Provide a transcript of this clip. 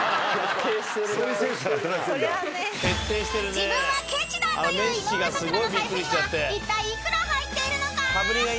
［自分はケチだという井上咲楽の財布にはいったい幾ら入っているのか］